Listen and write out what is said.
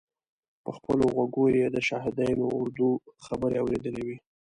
په خپلو غوږو یې د شهادیانو اردو خبرې اورېدلې وې.